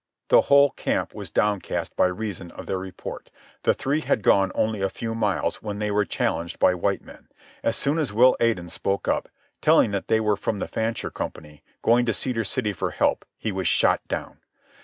The whole camp was downcast by reason of their report. The three had gone only a few miles when they were challenged by white men. As soon as Will Aden spoke up, telling that they were from the Fancher Company, going to Cedar City for help, he was shot down.